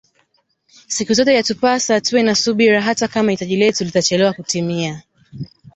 Siku zote yatupasa tuwe na subira hata Kama hitaji letu litachelewa kutimia